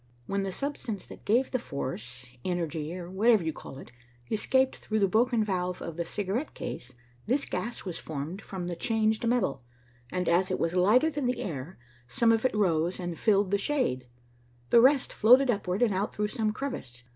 When the substance that gave the force, energy, or whatever you call it, escaped through the broken valve of the cigarette case, this gas was formed from the changed metal and, as it was lighter than the air, some of it rose and filled the shade, the rest floated upward and out through some crevice.